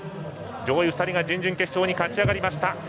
上位２人が準々決勝に勝ち上がりました。